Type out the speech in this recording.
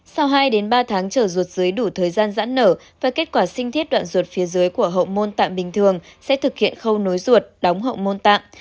sau hai ba tháng trở ruột dưới đủ thời gian giãn nở và kết quả sinh thiết đoạn ruột phía dưới của hậu môn tạm bình thường sẽ thực hiện khâu nối ruột đóng hậu môn tạng